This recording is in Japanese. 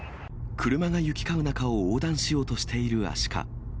車が行き交う中を横断しようとしているアシカ。